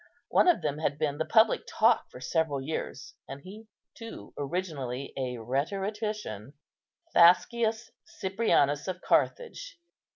One of them had been the public talk for several years, and he too originally a rhetorician, Thascius Cyprianus of Carthage.